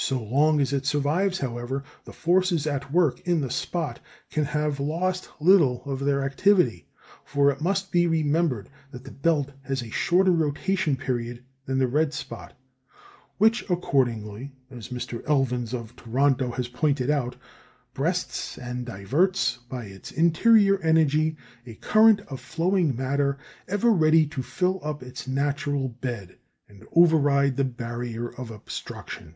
So long as it survives, however, the forces at work in the spot can have lost little of their activity. For it must be remembered that the belt has a shorter rotation period than the red spot, which, accordingly (as Mr. Elvins of Toronto has pointed out), breasts and diverts, by its interior energy, a current of flowing matter, ever ready to fill up its natural bed, and override the barrier of obstruction.